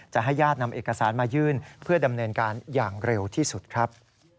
ให้ญาตินำเอกสารมายื่นเพื่อดำเนินการอย่างเร็วที่สุดครับ